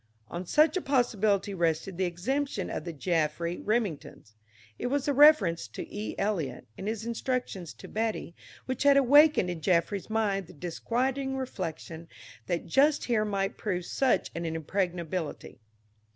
On such a possibility rested the exemption of the Jaffry Remingtons. It was the reference to E. Eliot in his instructions to Betty which had awakened in Jaffry's mind the disquieting reflection that just here might prove such an impregnability.